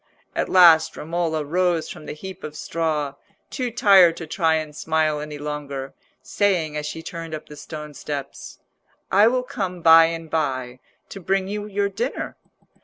At last Romola rose from the heap of straw, too tired to try and smile any longer, saying as she turned up the stone steps— "I will come by and by, to bring you your dinner."